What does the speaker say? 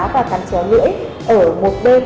và cắn chéo lưỡi ở một bên